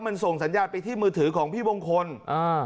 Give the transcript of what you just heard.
มันส่งสัญญาณไปที่มือถือของพี่มงคลอ่า